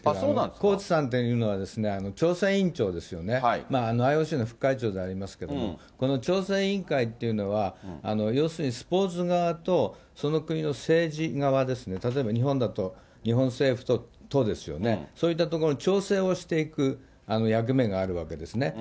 コーツさんというのは、調査委員長ですよね、ＩＯＣの副会長でありますけれども、調整委員会というのは、要するにスポーツ側とその国の政治側ですね、例えば日本だと、日本政府と都ですよね、そういったところに調整をしていく役目があるわけですね。